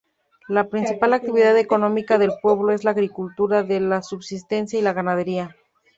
La principal actividad económica del pueblo es la agricultura de subsistencia y la ganadería.